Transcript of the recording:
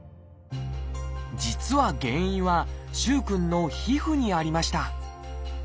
実は原因は萩くんの皮膚にありました。